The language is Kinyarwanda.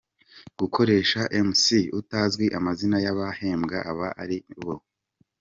Gukoresha Mc utazi amazina y’abahembwa abo ari bo.